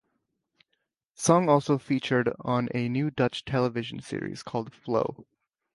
The song also featured on a new Dutch television series called "Flow".